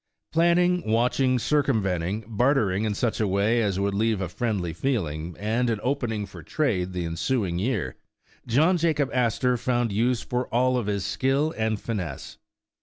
Planning, watching, circumventing, bartering in such a way as would leave a friendly feeling, and an opening for trade the ensuing year, John Jacob Astor found use for all his skill and finesse.